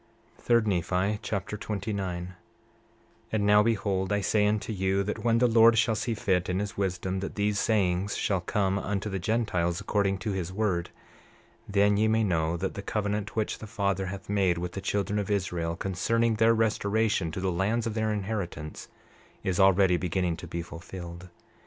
3 Nephi Chapter 29 29:1 And now behold, I say unto you that when the Lord shall see fit, in his wisdom, that these sayings shall come unto the Gentiles according to his word, then ye may know that the covenant which the Father hath made with the children of Israel, concerning their restoration to the lands of their inheritance, is already beginning to be fulfilled.